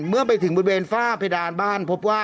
เมื่อไปถึงบริเวณฝ้าเพดานบ้านพบว่า